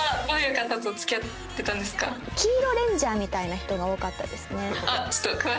黄色レンジャーみたいな人が多かったですね。